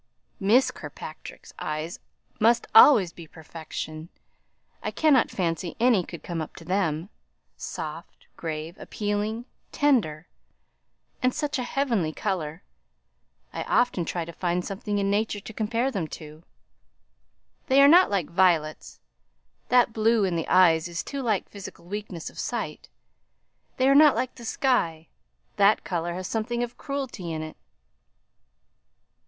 "Miss Kirkpatrick's eyes must always be perfection. I cannot fancy any could come up to them: soft, grave, appealing, tender; and such a heavenly colour I often try to find something in nature to compare them to; they are not like violets that blue in the eyes is too like physical weakness of sight; they are not like the sky that colour has something of cruelty in it."